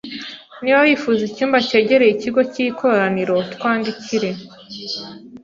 Niba wifuza icyumba cyegereye ikigo cy’ikoraniro, twandikire.